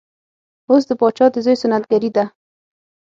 اوس د پاچا د زوی سنت ګري ده.